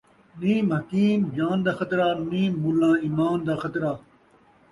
نیم حکیم جان دا خطرہ ، نیم ملّاں ایمان دا خطرہ